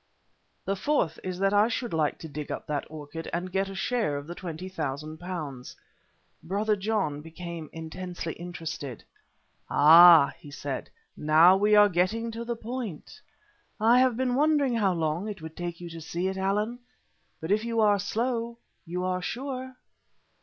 "The fourth is that I should like to dig up that orchid and get a share of the £20,000." Brother John became intensely interested. "Ah!" he said, "now we are getting to the point. I have been wondering how long it would take you to see it, Allan, but if you are slow, you are sure."